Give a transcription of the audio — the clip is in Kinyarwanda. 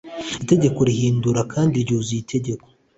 Itegeko rihindura kandi ryuzuza Itegeko